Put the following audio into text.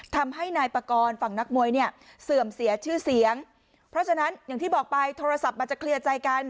ทำให้นายปากรฝั่งนักมวยเนี่ยเสื่อมเสียชื่อเสียงเพราะฉะนั้นอย่างที่บอกไปโทรศัพท์มาจะเคลียร์ใจกัน